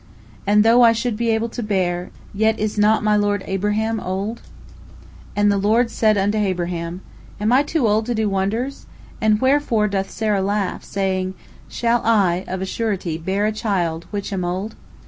And though I should be able to bear, yet is not my lord Abraham old?" And the Lord said unto Abraham: "Am I too old to do wonders? And wherefore doth Sarah laugh, saying, Shall I of a surety bear a child, which am old?"